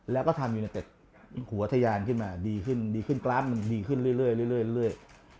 แล้วก็ทำยูเนเต็ดหัวทะยานขึ้นมาดีขึ้นดีขึ้นกราฟมันดีขึ้นเรื่อย